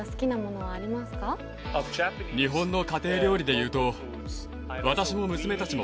日本の家庭料理でいうと私も娘たちも。